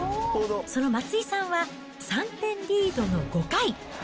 その松井さんは３点リードの５回。